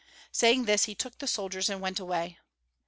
Saying this he took the soldiers and went away.